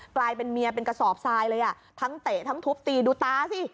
กลายเป็นเมียเป็นกระสอบทรายเลยอ่ะทั้งเตะทั้งทุบตีดูตาสิ